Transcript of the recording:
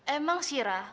emang sih rah